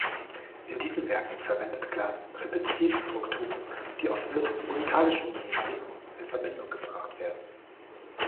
In diesen Werken verwendet Glass repetitive Strukturen, die oft mit musikalischem Minimalismus in Verbindung gebracht werden.